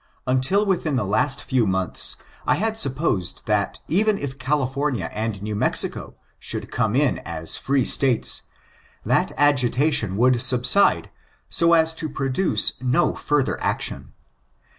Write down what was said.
Until within the last few months, I had supposed that even if California and New Mexico should come in as free States, that agitation would subside so as to produce no further action.